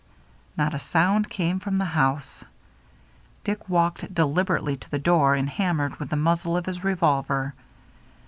Not a sound came from the house. Dick walked deliberately to the door and hammered with the muzzle of his revolver.